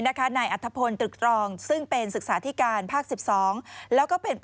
และการบุคลากรทางการศึกษาที่ถูกร้องเรียน